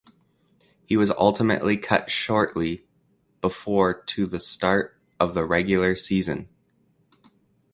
He was ultimately cut shortly before to the start of the regular season.